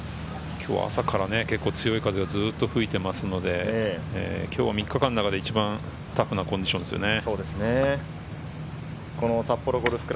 今日は朝から結構強い風がずっと吹いていますので、今日は３日間の中で一番タフなコンディションですね。